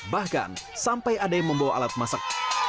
bahkan sampai ada yang membawa alat masak